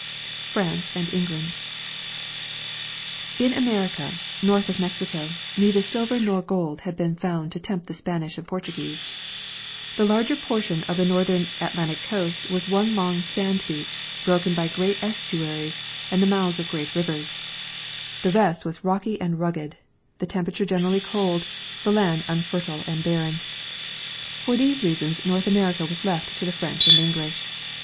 France and. England. In America, north of Mexico, neither silver nor gold had been found to tempt the Spanish and Portuguese. The larger portion of the northern Atlantic coast was one long sand beach, broken by great estuaries and the mouths of great rivers ; the rest was Birtli of British Commerce. 1 rocky and rugged, the temperature generally cold, the land un fertile and barren. For these reasons North America was left to the French and English.